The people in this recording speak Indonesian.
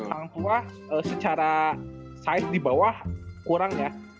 hang tuah secara size di bawah kurang ya